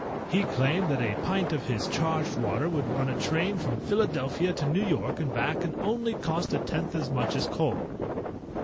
He claimed that a pint of his charged water would run a train from Philadelphia to New York and back and only cost a tenth as much as coal."